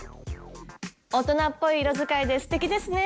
大人っぽい色使いですてきですね。